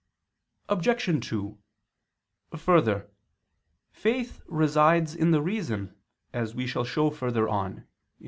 Obj. 2: Further, faith resides in the reason, as we shall show further on (Q.